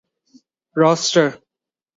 Roster.